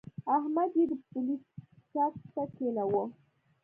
احمد يې د پولۍ ټک ته کېناوو.